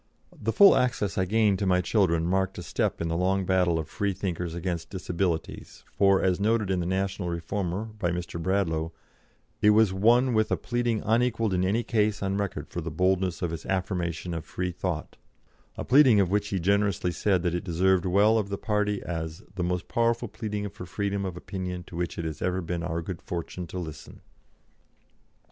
The full access I gained to my children marked a step in the long battle of Freethinkers against disabilities, for, as noted in the National Reformer by Mr. Bradlaugh, it was "won with a pleading unequalled in any case on record for the boldness of its affirmation of Freethought," a pleading of which he generously said that it deserved well of the party as "the most powerful pleading for freedom of opinion to which it has ever been our good fortune to listen."